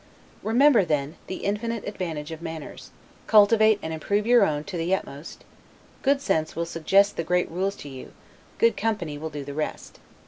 Remember, then, the infinite advantage of manners; cultivate and improve your own to the utmost good sense will suggest the great rules to you, good company will do the rest.